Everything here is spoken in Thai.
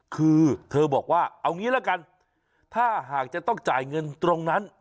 คือเธอบอกว่าเอางี้ละกันถ้าหากจะต้องจ่ายเงินตรงนั้น